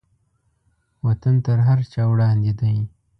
وطن تر هر چا وړاندې دی.